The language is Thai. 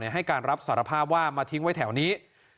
ให้การรับสารภาพว่ามาทิ้งไว้แถวนี้